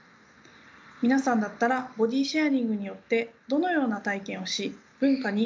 皆さんだったらボディシェアリングによってどのような体験をし文化にどのような影響を与え